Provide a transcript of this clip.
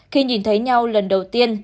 khi nhìn thấy nhau lần đầu tiên